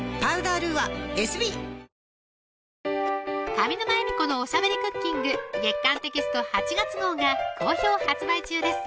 上沼恵美子のおしゃべりクッキング月刊テキスト８月号が好評発売中です